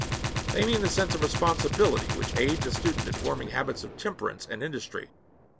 They mean the sense of responsibility which aids a student in forming habits of temperance and industry.